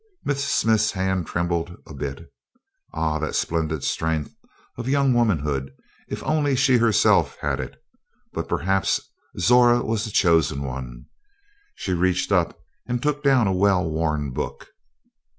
Miss Smith's hand trembled a bit. Ah, that splendid strength of young womanhood if only she herself had it! But perhaps Zora was the chosen one. She reached up and took down a well worn book.